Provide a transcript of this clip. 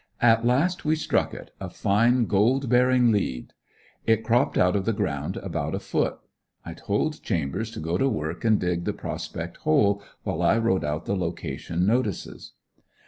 At last we struck it, a fine gold bearing lead. It cropped out of the ground about a foot. I told Chambers to go to work and dig the prospect hole, while I wrote out the location notices.